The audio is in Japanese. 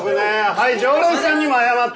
はい常連さんにも謝って。